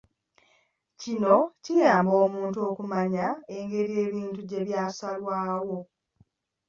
Kino kiyamba omuntu okumanya engeri ebintu gye byasalwawo.